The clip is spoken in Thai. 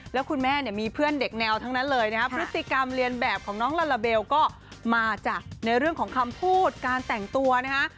แล้วคุณแม่เนี่ยมีเพื่อนเด็กแนวทั้งนั้นเลยนะครับพฤติกรรมเรียนแบบของน้องลาลาเบลก็มาจากในเรื่องของคำพูดการแต่งตัวนะฮะ